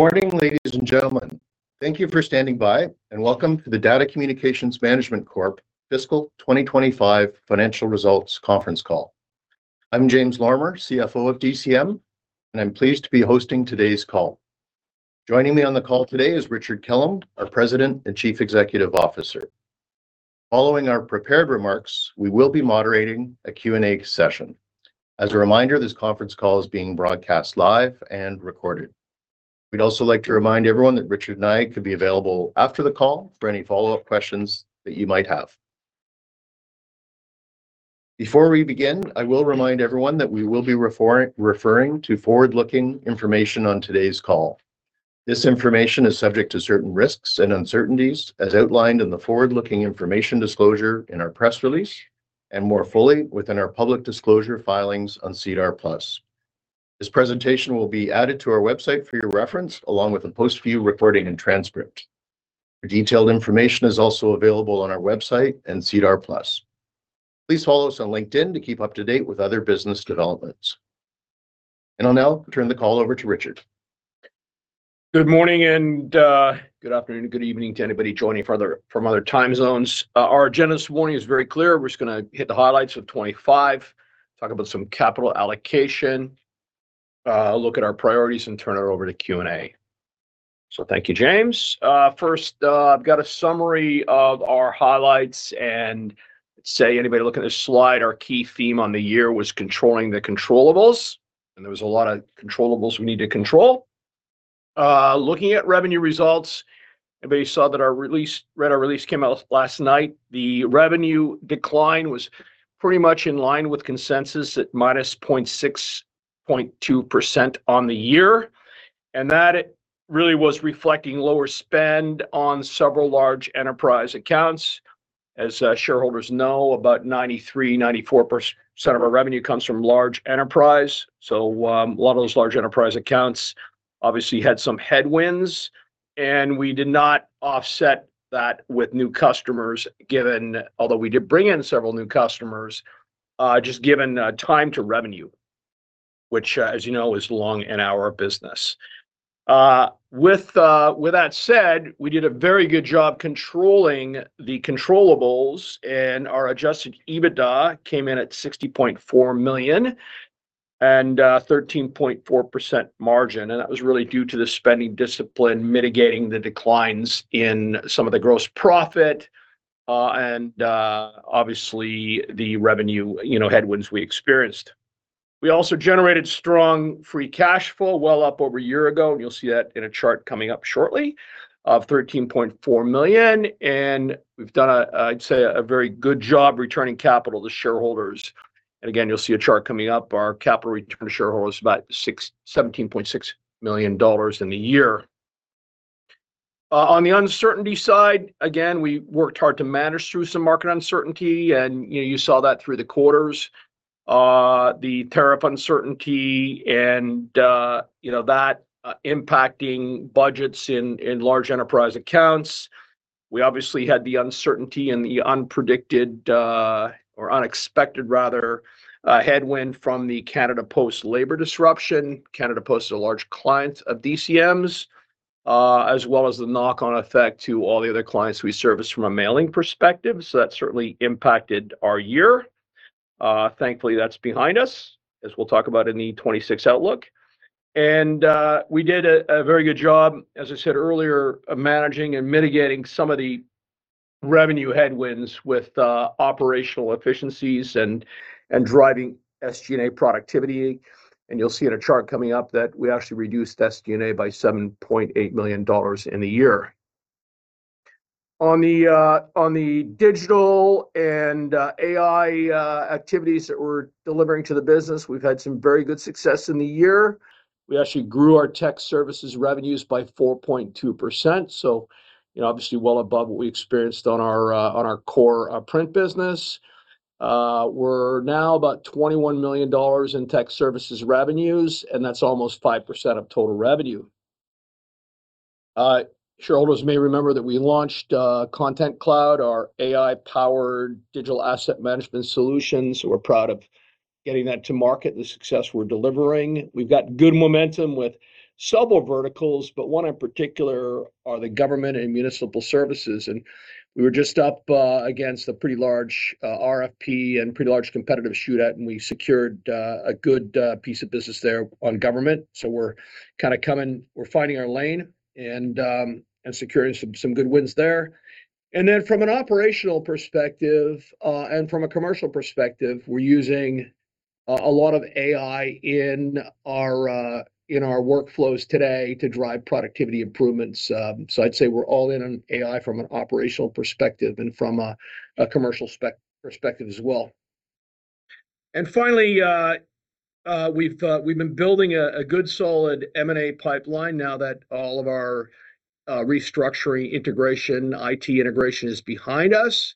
Good morning, ladies and gentlemen. Thank you for standing by, and welcome to the DATA Communications Management Corp Fiscal 2025 Financial Results Conference Call. I'm James Lorimer, CFO of DCM, and I'm pleased to be hosting today's call. Joining me on the call today is Richard Kellam, our President and Chief Executive Officer. Following our prepared remarks, we will be moderating a Q&A session. As a reminder, this conference call is being broadcast live and recorded. We'd also like to remind everyone that Richard and I could be available after the call for any follow-up questions that you might have. Before we begin, I will remind everyone that we will be referring to forward-looking information on today's call. This information is subject to certain risks and uncertainties as outlined in the forward-looking information disclosure in our press release, and more fully within our public disclosure filings on SEDAR+. This presentation will be added to our website for your reference, along with a post-view recording and transcript. The detailed information is also available on our website and SEDAR+. Please follow us on LinkedIn to keep up to date with other business developments. I'll now turn the call over to Richard. Good morning and good afternoon, good evening to anybody joining from other time zones. Our agenda this morning is very clear. We're just gonna hit the highlights of 25, talk about some capital allocation, look at our priorities and turn it over to Q&A. Thank you, James. First, I've got a summary of our highlights and, say, anybody looking at this slide, our key theme on the year was controlling the controllables, and there was a lot of controllables we need to control. Looking at revenue results, everybody saw that our release, read our release came out last night. The revenue decline was pretty much in line with consensus at -0.62% on the year. That really was reflecting lower spend on several large enterprise accounts. As shareholders know, about 93%–94% of our revenue comes from large enterprise. A lot of those large enterprise accounts obviously had some headwinds, and we did not offset that with new customers, although we did bring in several new customers, just given time to revenue, which, as you know, is long in our business. With that said, we did a very good job controlling the controllables and our adjusted EBITDA came in at 60.4 million and 13.4% margin. That was really due to the spending discipline mitigating the declines in some of the gross profit, and obviously the revenue, you know, headwinds we experienced. We also generated strong free cash flow, well up over a year ago, and you'll see that in a chart coming up shortly, of 13.4 million. We've done a, I'd say, a very good job returning capital to shareholders. Again, you'll see a chart coming up. Our capital return to shareholders is about 17.6 million dollars in the year. On the uncertainty side, again, we worked hard to manage through some market uncertainty, and, you know, you saw that through the quarters. The tariff uncertainty and that impacting budgets in large enterprise accounts. We obviously had the uncertainty and the unexpected headwind from the Canada Post labor disruption. Canada Post is a large client of DCM's, as well as the knock-on effect to all the other clients we service from a mailing perspective. That certainly impacted our year. Thankfully, that's behind us, as we'll talk about in the 2026 outlook. We did a very good job, as I said earlier, of managing and mitigating some of the revenue headwinds with operational efficiencies and driving SG&A productivity. You'll see in a chart coming up that we actually reduced SG&A by 7.8 million dollars in the year. On the digital and AI activities that we're delivering to the business, we've had some very good success in the year. We actually grew our tech services revenues by 4.2%, so, you know, obviously well above what we experienced on our core print business. We're now about 21 million dollars in tech services revenues, and that's almost 5% of total revenue. Shareholders may remember that we launched Content Cloud, our AI-powered digital asset management solutions. We're proud of getting that to market, the success we're delivering. We've got good momentum with several verticals, but one in particular are the government and municipal services. We were just up against a pretty large RFP and pretty large competitive shootout, and we secured a good piece of business there on government. We're finding our lane and securing some good wins there. From an operational perspective, and from a commercial perspective, we're using a lot of AI in our workflows today to drive productivity improvements. I'd say we're all in on AI from an operational perspective and from a commercial perspective as well. Finally, we've been building a good solid M&A pipeline now that all of our restructuring integration, IT integration is behind us.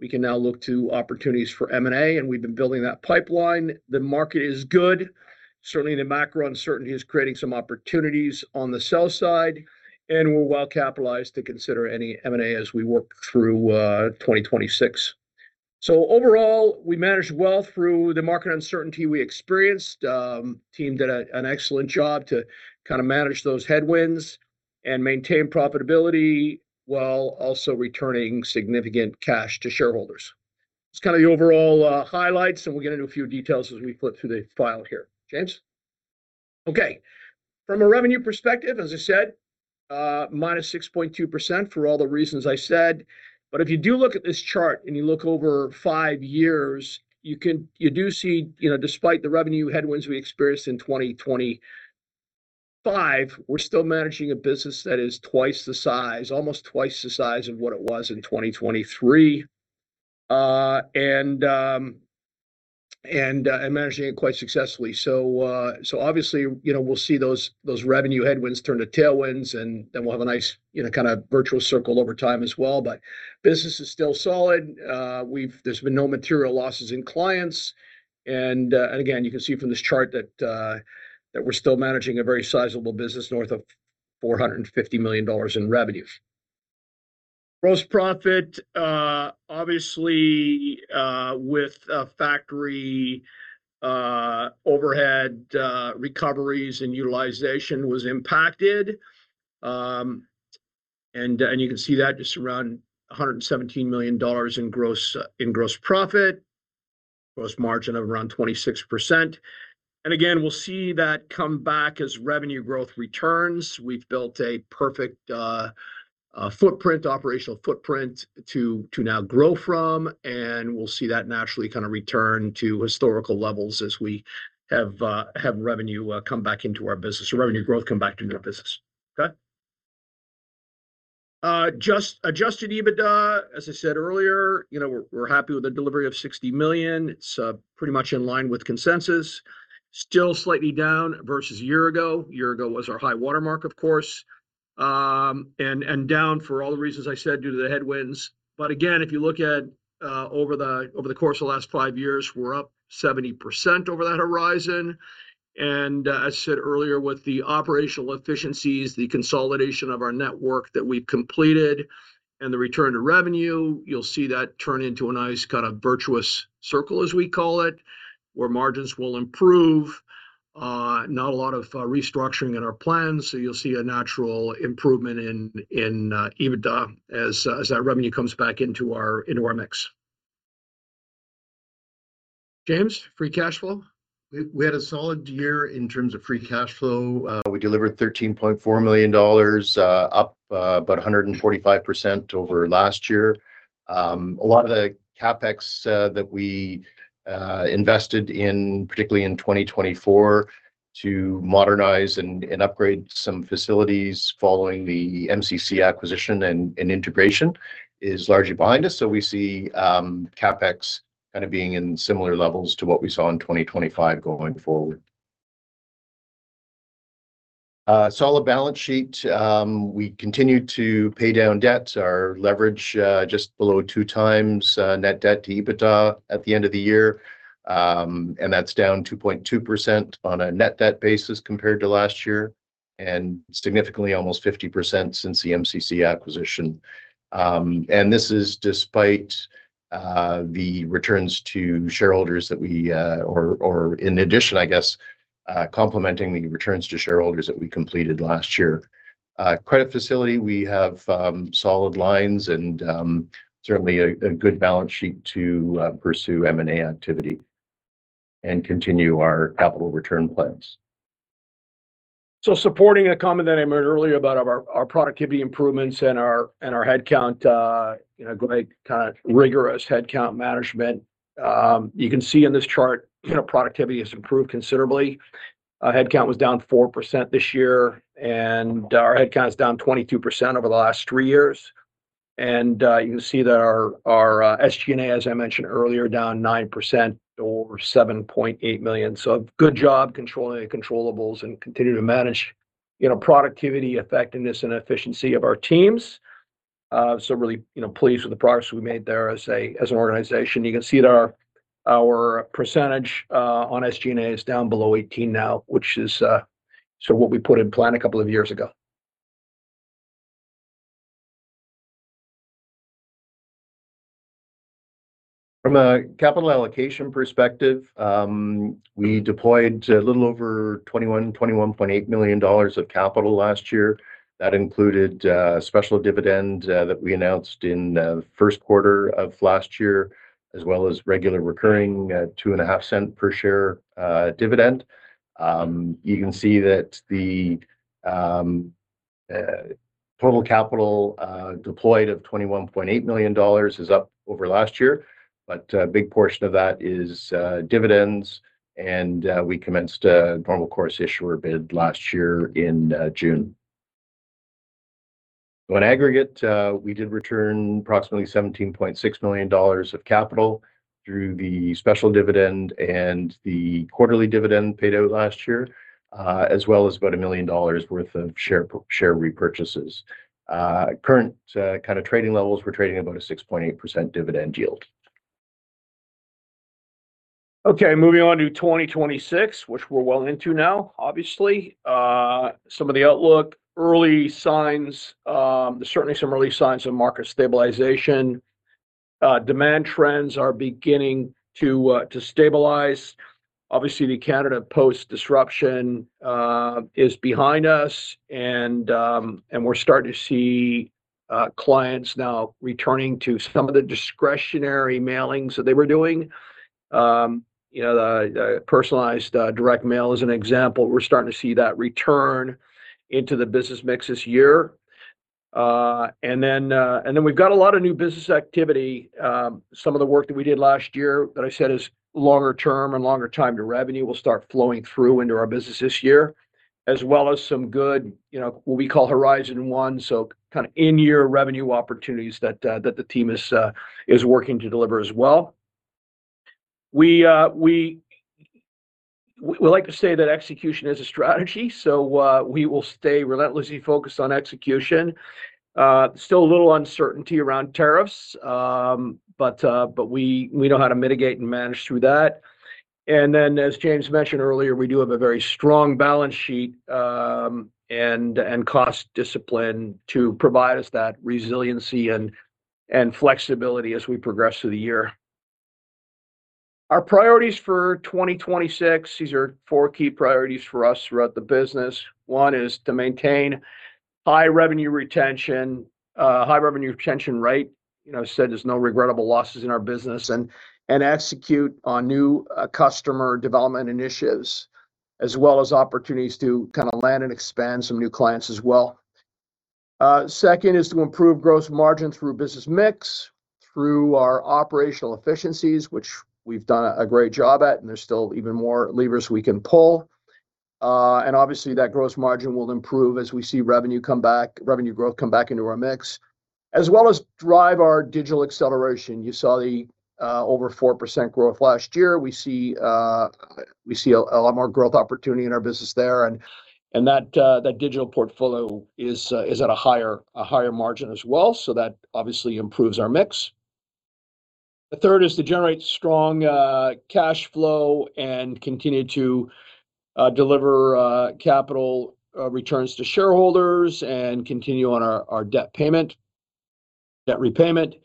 We can now look to opportunities for M&A, and we've been building that pipeline. The market is good. Certainly, the macro uncertainty is creating some opportunities on the south side, and we're well-capitalized to consider any M&A as we work through 2026. Overall, we managed well through the market uncertainty we experienced. The team did an excellent job to kind of manage those headwinds and maintain profitability while also returning significant cash to shareholders. That's kinda the overall highlights, and we'll get into a few details as we flip through the file here. James. Okay. From a revenue perspective, as I said, minus 6.2% for all the reasons I said. If you do look at this chart, and you look over five years, you do see, you know, despite the revenue headwinds we experienced in 2025, we're still managing a business that is twice the size, almost twice the size of what it was in 2023, and managing it quite successfully. Obviously, you know, we'll see those revenue headwinds turn to tailwinds, and then we'll have a nice, you know, kinda virtuous circle over time as well, but business is still solid. There's been no material losses in clients, and again, you can see from this chart that we're still managing a very sizable business, north of 450 million dollars in revenue. Gross profit, obviously, with factory overhead recoveries and utilization was impacted. You can see that, just around 117 million dollars in gross profit, gross margin of around 26%. We'll see that come back as revenue growth returns. We've built a perfect footprint, operational footprint to now grow from, and we'll see that naturally kinda return to historical levels as we have revenue come back into our business, or revenue growth come back into our business. Okay. Just adjusted EBITDA, as I said earlier, you know, we're happy with the delivery of 60 million. It's pretty much in line with consensus. Still slightly down versus a year ago. A year ago was our high water mark, of course. Down for all the reasons I said due to the headwinds. Again, if you look at over the course of the last 5 years, we're up 70% over that horizon. as I said earlier, with the operational efficiencies, the consolidation of our network that we've completed and the return to revenue, you'll see that turn into a nice kind of virtuous circle, as we call it, where margins will improve. Not a lot of restructuring in our plans, so you'll see a natural improvement in EBITDA as that revenue comes back into our mix. James, free cash flow. We had a solid year in terms of free cash flow. We delivered 13.4 million dollars, up about 145% over last year. A lot of the CapEx that we invested in, particularly in 2024 to modernize and upgrade some facilities following the MCC acquisition and integration is largely behind us. We see CapEx kind of being in similar levels to what we saw in 2025 going forward. Solid balance sheet. We continue to pay down debt. Our leverage just below 2 times net debt to EBITDA at the end of the year, and that's down 2.2% on a net debt basis compared to last year, and significantly, almost 50% since the MCC acquisition. This is in addition, I guess, complementing the returns to shareholders that we completed last year. Credit facility, we have solid lines and certainly a good balance sheet to pursue M&A activity and continue our capital return plans. Supporting a comment that I made earlier about our productivity improvements and our headcount, you know, great kinda rigorous headcount management, you can see in this chart, you know, productivity has improved considerably. Headcount was down 4% this year, and our headcount is down 22% over the last 3 years. You can see that our SG&A, as I mentioned earlier, down 9% or 7.8 million. A good job controlling the controllables and continue to manage, you know, productivity, effectiveness, and efficiency of our teams. Really, you know, pleased with the progress we made there as an organization. You can see that our percentage on SG&A is down below 18% now, which is sort of what we put in plan a couple of years ago. From a capital allocation perspective, we deployed a little over 21.8 million dollars of capital last year. That included a special dividend that we announced in the Q1 of last year, as well as regular recurring 0.025 per share dividend. You can see that the total capital deployed of 21.8 million dollars is up over last year, but a big portion of that is dividends and we commenced a Normal Course Issuer Bid last year in June. In aggregate, we did return approximately 17.6 million dollars of capital through the special dividend and the quarterly dividend paid out last year, as well as about 1 million dollars worth of share repurchases. Current kind of trading levels, we're trading about a 6.8% dividend yield. Okay, moving on to 2026, which we're well into now, obviously. Some of the outlook, early signs, there's certainly some early signs of market stabilization. Demand trends are beginning to stabilize. Obviously, the Canada Post disruption is behind us, and we're starting to see clients now returning to some of the discretionary mailings that they were doing. You know, the personalized direct mail as an example, we're starting to see that return into the business mix this year. We've got a lot of new business activity. Some of the work that we did last year that I said is longer term and longer time to revenue will start flowing through into our business this year, as well as some good, you know, what we call horizon one, so kind of in-year revenue opportunities that the team is working to deliver as well. We like to say that execution is a strategy, so we will stay relentlessly focused on execution. Still a little uncertainty around tariffs, but we know how to mitigate and manage through that. As James mentioned earlier, we do have a very strong balance sheet, and cost discipline to provide us that resiliency and flexibility as we progress through the year. Our priorities for 2026, these are four key priorities for us throughout the business. One is to maintain high revenue retention, high revenue retention rate. You know, I said there's no regrettable losses in our business and execute on new customer development initiatives, as well as opportunities to kinda land and expand some new clients as well. Second is to improve gross margin through business mix, through our operational efficiencies, which we've done a great job at, and there's still even more levers we can pull. And obviously, that gross margin will improve as we see revenue growth come back into our mix. As well as drive our digital acceleration. You saw the over 4% growth last year. We see a lot more growth opportunity in our business there and that digital portfolio is at a higher margin as well, so that obviously improves our mix. The third is to generate strong cash flow and continue to deliver capital returns to shareholders and continue on our debt repayment.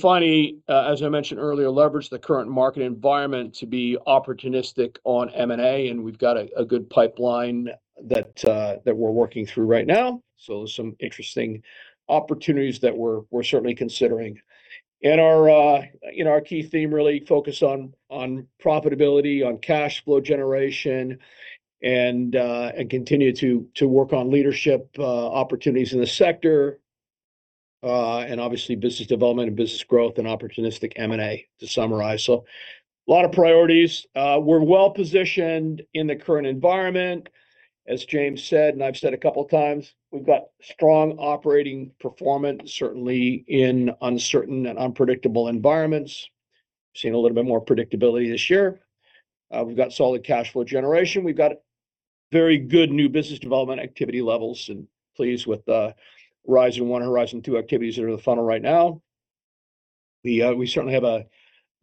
Finally, as I mentioned earlier, leverage the current market environment to be opportunistic on M&A, and we've got a good pipeline that we're working through right now. There's some interesting opportunities that we're certainly considering. Our key theme really focuses on profitability, on cash flow generation and continue to work on leadership opportunities in the sector, and obviously business development and business growth and opportunistic M&A to summarize. A lot of priorities. We're well-positioned in the current environment. As James said, and I've said a couple times, we've got strong operating performance, certainly in uncertain and unpredictable environments. We've seen a little bit more predictability this year. We've got solid cash flow generation. We've got very good new business development activity levels and pleased with the horizon one and horizon two activities that are in the funnel right now. We certainly have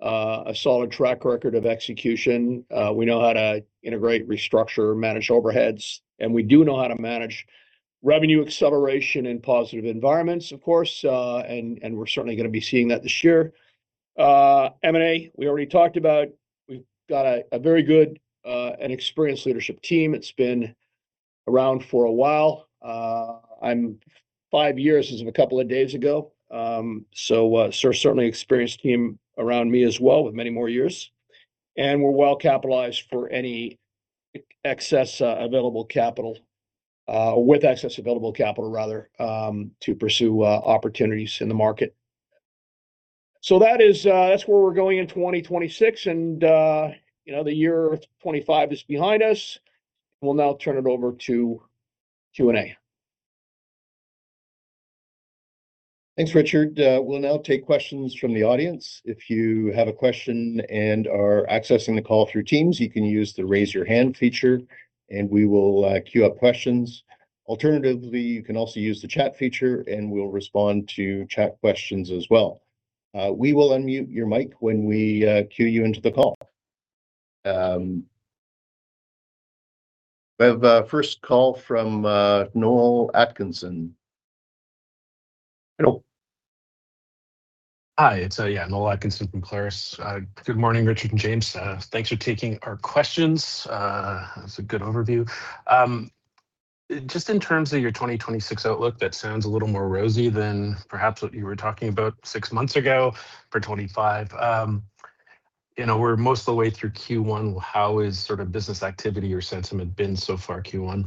a solid track record of execution. We know how to integrate, restructure, manage overheads, and we do know how to manage revenue acceleration in positive environments, of course, and we're certainly gonna be seeing that this year. M&A, we already talked about. We've got a very good and experienced leadership team. It's been around for a while. I'm five years as of a couple of days ago. Certainly experienced team around me as well with many more years. We're well-capitalized for any excess available capital with excess available capital rather to pursue opportunities in the market. That is, that's where we're going in 2026 and you know, the year 2025 is behind us. We'll now turn it over to Q&A. Thanks, Richard. We'll now take questions from the audience. If you have a question and are accessing the call through Teams, you can use the raise your hand feature and we will queue up questions. Alternatively, you can also use the chat feature and we'll respond to chat questions as well. We will unmute your mic when we queue you into the call. We have a first call from Noel Atkinson. Hello. Hi. It's Noel Atkinson from Clarus. Good morning, Richard and James. Thanks for taking our questions. That's a good overview. Just in terms of your 2026 outlook, that sounds a little more rosy than perhaps what you were talking about six months ago for 2025. You know, we're most of the way through Q1. How is sort of business activity or sentiment been so far Q1?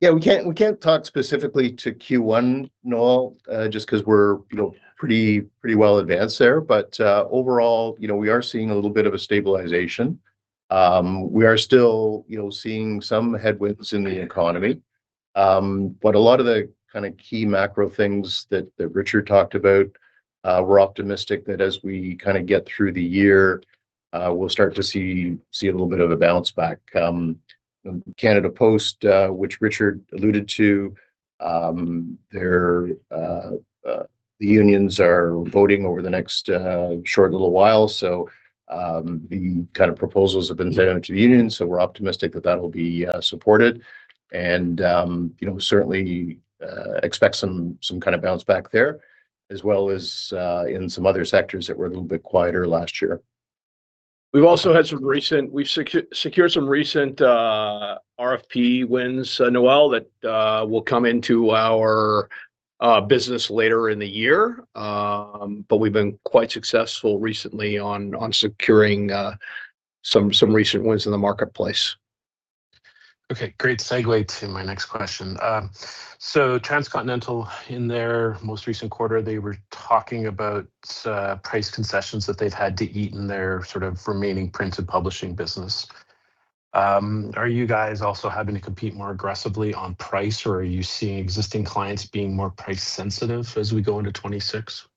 Yeah, we can't talk specifically to Q1, Noel, just 'cause we're pretty well advanced there. Overall, you know, we are seeing a little bit of a stabilization. We are still seeing some headwinds in the economy. A lot of the key macro things that Richard talked about, we're optimistic that as we kinda get through the year, we'll start to see a little bit of a bounce back. Canada Post, which Richard alluded to, their unions are voting over the next short little while. The kind of proposals have been presented to the union, so we're optimistic that that will be supported. You know, certainly expect some kind of bounce back there, as well as in some other sectors that were a little bit quieter last year. We've secured some recent RFP wins, Noel, that will come into our business later in the year. We've been quite successful recently on securing some recent wins in the marketplace. Okay. Great segue to my next question. Transcontinental in their most recent quarter, they were talking about, price concessions that they've had to eat in their sort of remaining print and publishing business. Are you guys also having to compete more aggressively on price, or are you seeing existing clients being more price-sensitive as we go into 2026?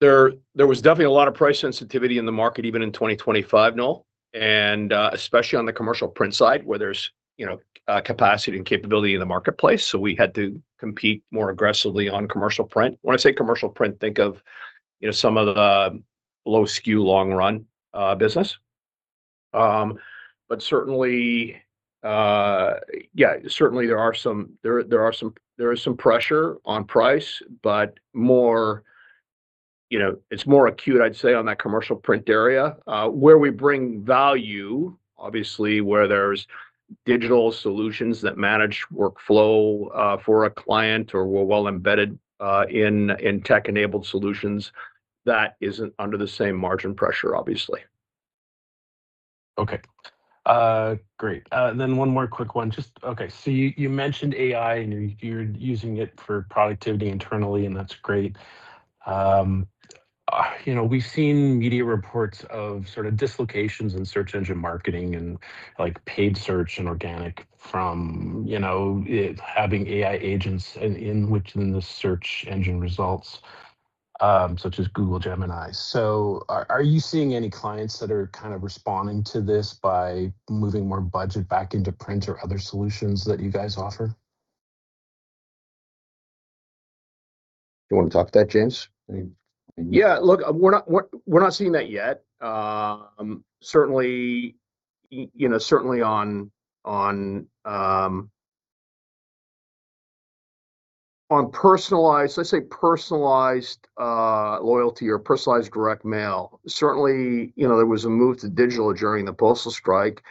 There was definitely a lot of price sensitivity in the market even in 2025, Noel, and especially on the commercial print side where there's, you know, capacity and capability in the marketplace. We had to compete more aggressively on commercial print. When I say commercial print, think of, you know, some of the low SKU, long run business. But certainly there is some pressure on price, but more, you know, it's more acute, I'd say, on that commercial print area. Where we bring value, obviously where there's digital solutions that manage workflow for a client or we're well-embedded in tech-enabled solutions, that isn't under the same margin pressure, obviously. Okay. Great. One more quick one. Just, okay, so you mentioned AI, and you're using it for productivity internally, and that's great. You know, we've seen media reports of sort of dislocations in search engine marketing and, like, paid search and organic from, you know, it having AI agents in within the search engine results, such as Google Gemini. Are you seeing any clients that are kind of responding to this by moving more budget back into print or other solutions that you guys offer? You wanna talk to that, James? Yeah. Look, we're not seeing that yet. Certainly, you know, certainly on personalized, let's say personalized, loyalty or personalized direct mail. Certainly, you know, there was a move to digital during the postal strike,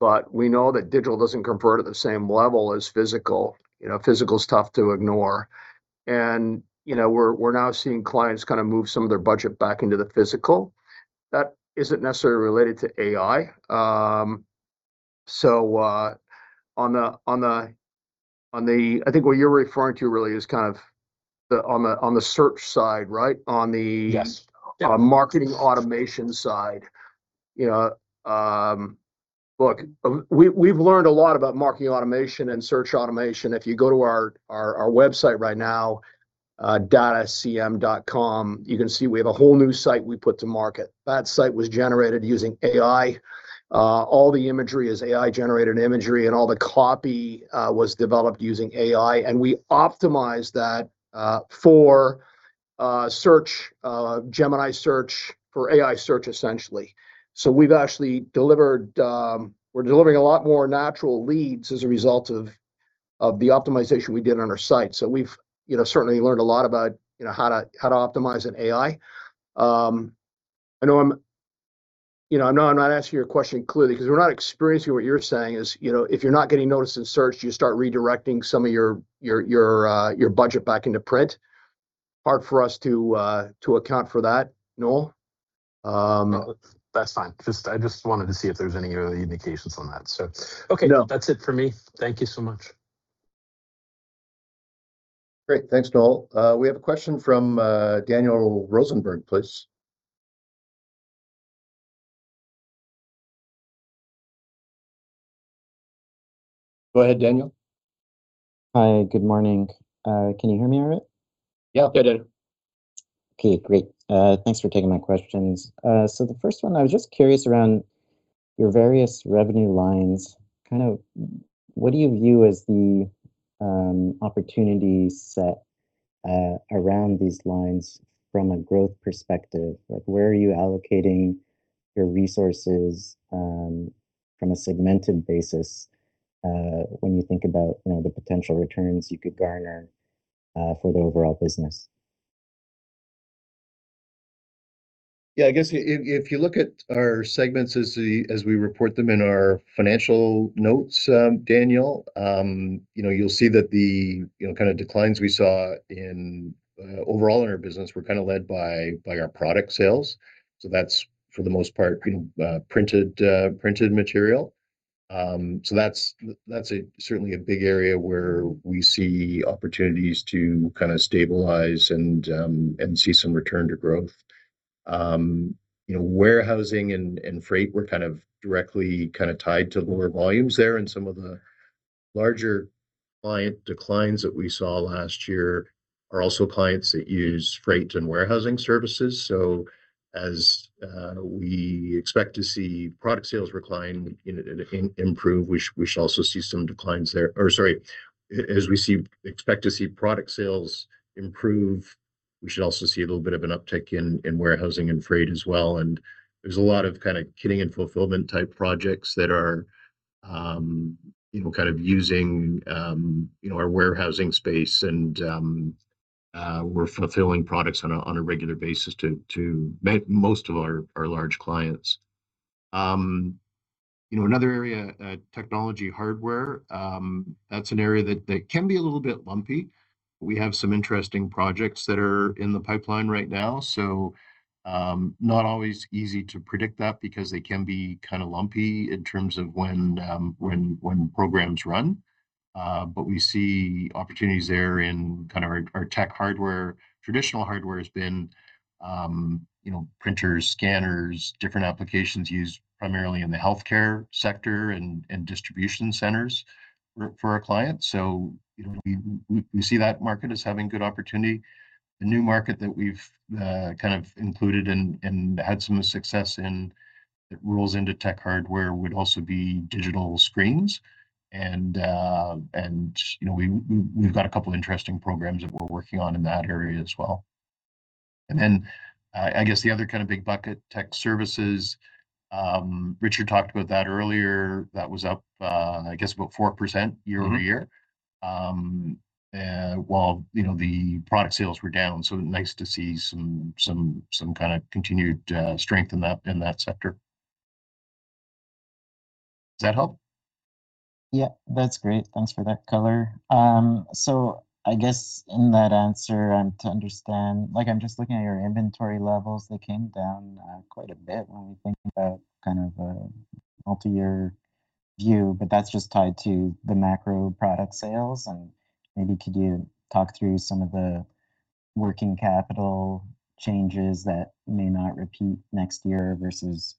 but we know that digital doesn't convert at the same level as physical. You know, physical's tough to ignore. You know, we're now seeing clients kind of move some of their budget back into the physical. That isn't necessarily related to AI. So, on the I think what you're referring to really is kind of the on the search side, right? On the- Yes. Yeah. On marketing automation side. You know, look, we've learned a lot about marketing automation and search automation. If you go to our website right now, datacm.com, you can see we have a whole new site we put to market. That site was generated using AI. All the imagery is AI-generated imagery, and all the copy was developed using AI, and we optimized that for search, Gemini search, for AI search essentially. We've actually delivered, we're delivering a lot more natural leads as a result of the optimization we did on our site. You know, we've certainly learned a lot about you know, how to optimize in AI. I know I'm. You know, I know I'm not answering your question clearly 'cause we're not experiencing what you're saying is, you know, if you're not getting noticed in search, you start redirecting some of your budget back into print. Hard for us to account for that, Noel. No, that's fine. I just wanted to see if there's any early indications on that. No. Okay. That's it for me. Thank you so much. Great. Thanks, Noel. We have a question from Daniel Rosenberg, please. Go ahead, Daniel. Hi. Good morning. Can you hear me all right? Yeah. Go ahead. Okay, great. Thanks for taking my questions. The first one, I was just curious around your various revenue lines, kind of what do you view as the opportunity set around these lines from a growth perspective? Like, where are you allocating your resources from a segmented basis when you think about you know the potential returns you could garner for the overall business? Yeah. I guess if you look at our segments as we report them in our financial notes, Daniel, you know, you'll see that the, you know, kind of declines we saw in overall in our business were kind of led by our product sales. That's for the most part, you know, printed material. That's certainly a big area where we see opportunities to kind of stabilize and see some return to growth. You know, warehousing and freight were kind of directly kind of tied to lower volumes there, and some of the larger client declines that we saw last year are also clients that use freight and warehousing services. As we expect to see product sales rebound, you know, and improve, we shall also see some rebounds there. Sorry, as we expect to see product sales improve, we should also see a little bit of an uptick in warehousing and freight as well. There's a lot of kind of kitting and fulfillment type projects that are you know kind of using you know our warehousing space, and we're fulfilling products on a regular basis to most of our large clients. You know another area technology hardware that's an area that can be a little bit lumpy. We have some interesting projects that are in the pipeline right now, so not always easy to predict that because they can be kind of lumpy in terms of when programs run. But we see opportunities there in kind of our tech hardware. Traditional hardware has been, you know, printers, scanners, different applications used primarily in the healthcare sector and distribution centers for our clients. You know, we see that market as having good opportunity. The new market that we've kind of included and had some success in that rolls into tech hardware would also be digital screens and, you know, we we've got a couple interesting programs that we're working on in that area as well. Then I guess the other kind of big bucket tech services. Richard talked about that earlier, that was up, I guess about 4% year-over-year. While, you know, the product sales were down, so nice to see some kind of continued strength in that sector. Does that help? Yeah. That's great. Thanks for that color. So I guess in that answer and to understand. Like, I'm just looking at your inventory levels. They came down quite a bit when we think about kind of a multi-year view, but that's just tied to the macro product sales. Maybe could you talk through some of the working capital changes that may not repeat next year versus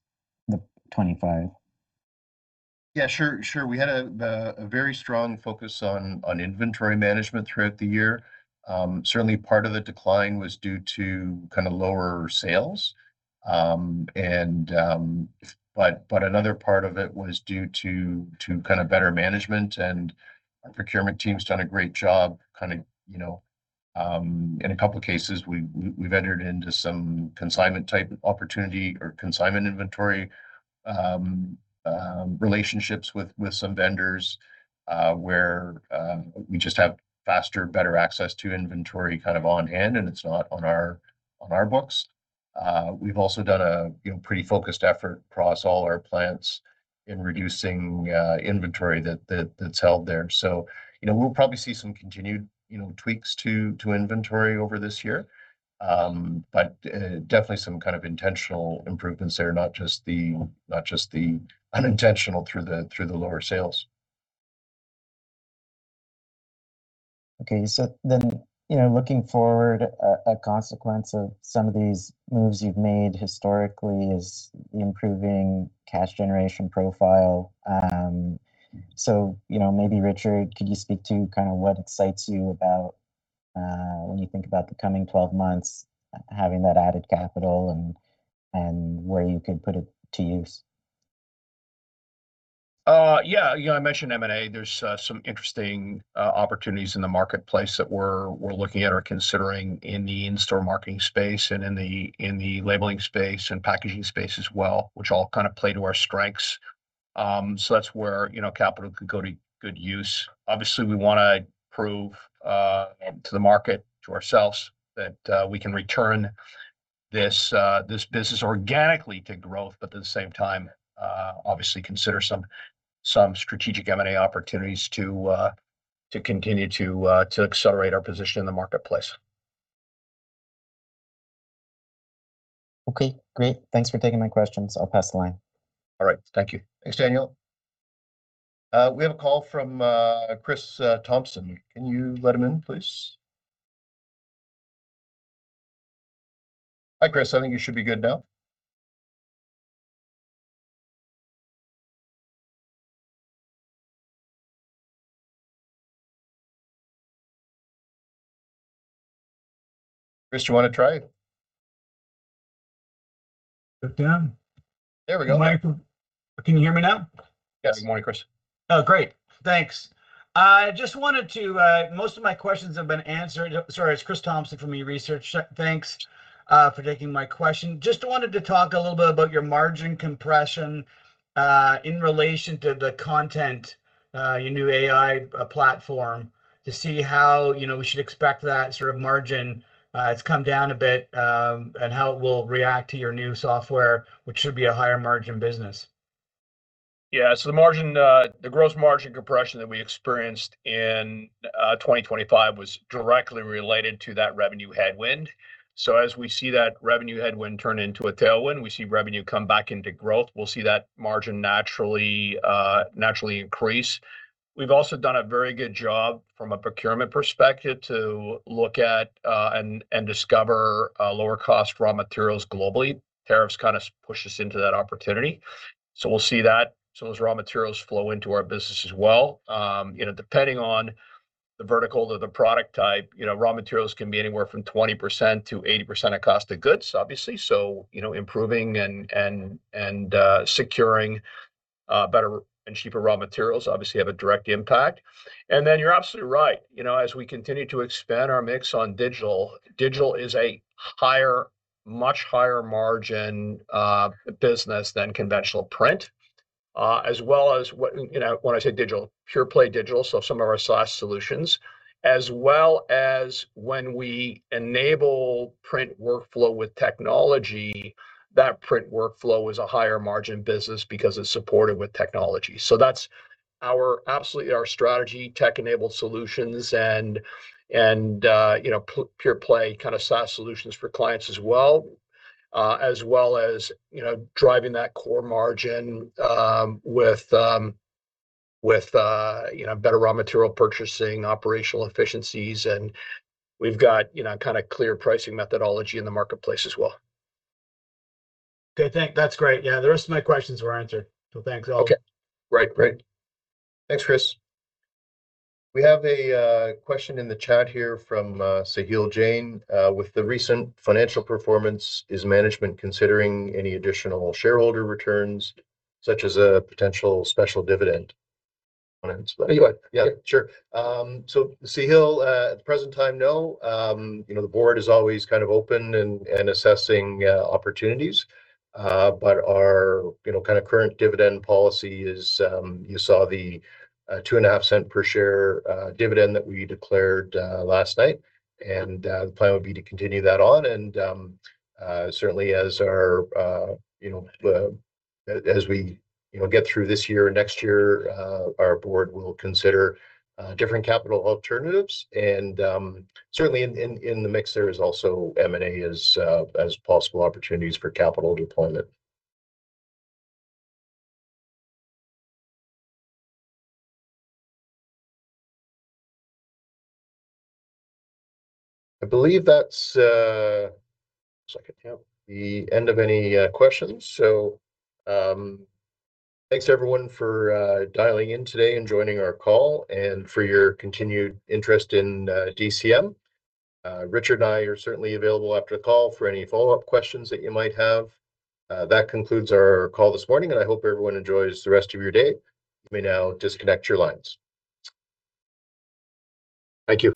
the 25? Yeah, sure. Sure. We had a very strong focus on inventory management throughout the year. Certainly part of the decline was due to kinda lower sales. Another part of it was due to kind of better management, and our procurement team's done a great job, kinda, you know. In a couple cases, we've entered into some consignment type opportunity or consignment inventory relationships with some vendors, where we just have faster, better access to inventory kind of on hand, and it's not on our books. We've also done a you know pretty focused effort across all our plants in reducing inventory that's held there. You know, we'll probably see some continued you know tweaks to inventory over this year. Definitely some kind of intentional improvements there, not just the unintentional through the lower sales. Okay. You know, looking forward, a consequence of some of these moves you've made historically is improving cash generation profile. You know, maybe Richard, could you speak to kind of what excites you about, when you think about the coming 12 months, having that added capital and where you could put it to use? Yeah. You know, I mentioned M&A. There's some interesting opportunities in the marketplace that we're looking at or considering in the in-store marketing space and in the labeling space and packaging space as well, which all kind of play to our strengths. So that's where, you know, capital could go to good use. Obviously, we wanna prove to the market, to ourselves that we can return this business organically to growth, but at the same time, obviously consider some strategic M&A opportunities to continue to accelerate our position in the marketplace. Okay. Great. Thanks for taking my questions. I'll pass the line. All right. Thank you. Thanks, Daniel. We have a call from Chris Thompson. Can you let him in, please? Hi, Chris. I think you should be good now. Chris, you wanna try it? Put down. There we go. Can you hear me now? Yes. Good morning, Chris. Oh, great. Thanks. Most of my questions have been answered. Sorry, it's Chris Thompson from eResearch. Thanks for taking my question. Just wanted to talk a little bit about your margin compression in relation to the content your new AI platform to see how, you know, we should expect that sort of margin. It's come down a bit and how it will react to your new software, which should be a higher margin business. Yeah. The margin, the gross margin compression that we experienced in 2025 was directly related to that revenue headwind. As we see that revenue headwind turn into a tailwind, we see revenue come back into growth, we'll see that margin naturally increase. We've also done a very good job from a procurement perspective to look at and discover lower cost raw materials globally. Tariffs kinda push us into that opportunity. We'll see that. Those raw materials flow into our business as well. You know, depending on the vertical or the product type, you know, raw materials can be anywhere from 20%–80% of cost of goods, obviously. You know, improving and securing better and cheaper raw materials obviously have a direct impact. You're absolutely right, you know, as we continue to expand our mix on digital is a higher, much higher margin business than conventional print. You know, when I say digital, pure play digital, so some of our SaaS solutions. As well as when we enable print workflow with technology, that print workflow is a higher margin business because it's supported with technology. That's our, absolutely our strategy, tech-enabled solutions and, you know, pure play kind of SaaS solutions for clients as well. As well as, you know, driving that core margin, with, you know, better raw material purchasing, operational efficiencies, and we've got, you know, kind of clear pricing methodology in the marketplace as well. Okay, that's great. Yeah, the rest of my questions were answered, so thanks. Okay. Right, great. Thanks, Chris. We have a question in the chat here from Sahil Jain. "With the recent financial performance, is management considering any additional shareholder returns such as a potential special dividend? You go ahead. Yeah, sure. Sahil, at the present time, no. You know, the board is always kind of open and assessing opportunities. But our you know kind of current dividend policy is, you saw the 0.025 per share dividend that we declared last night. The plan would be to continue that on. Certainly as we you know get through this year and next year, our board will consider different capital alternatives. Certainly in the mix there is also M&A as possible opportunities for capital deployment. I believe that's one second, yep, the end of any questions. Thanks everyone for dialing in today and joining our call, and for your continued interest in DCM. Richard and I are certainly available after the call for any follow-up questions that you might have. That concludes our call this morning, and I hope everyone enjoys the rest of your day. You may now disconnect your lines. Thank you.